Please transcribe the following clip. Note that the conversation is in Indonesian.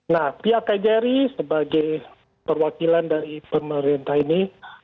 nah pihak kjri sebagai perwakilan dari pemerintah ini